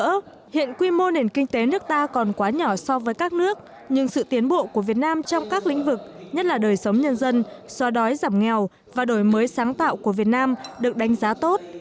trong đó hiện quy mô nền kinh tế nước ta còn quá nhỏ so với các nước nhưng sự tiến bộ của việt nam trong các lĩnh vực nhất là đời sống nhân dân xoa đói giảm nghèo và đổi mới sáng tạo của việt nam được đánh giá tốt